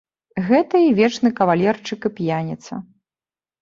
Гэта і вечны кавалерчык і п'яніца.